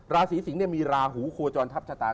ราศีสิงศ์มีราหูโคจรทัพชะตา